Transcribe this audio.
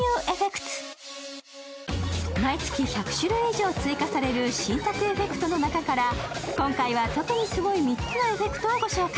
毎月１００種類以上追加される新作エフェクトの中から今回は特にすごい３つのエフェクトをご紹介。